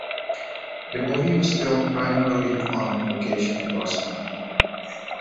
The movie was filmed primarily on location in Boston.